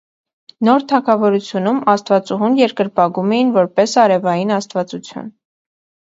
Նոր թագավորությունում աստվածուհուն երկրպագում էին որպես արևային աստվածություն։